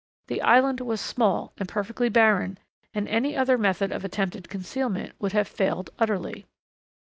The island was small and perfectly barren, and any other method of attempted concealment would have failed utterly.